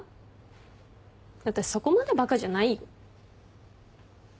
私そこまでバカじゃないよ。